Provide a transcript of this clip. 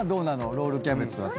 ロールキャベツは。